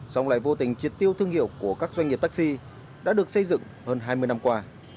xong lại vô tình triệt tiêu thương hiệu của các doanh nghiệp taxi đã được xây dựng hơn hai mươi năm qua